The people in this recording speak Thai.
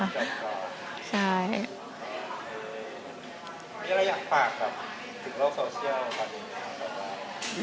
มีอะไรอยากฝากถึงโลกโซเชียลตอนนี้ครับ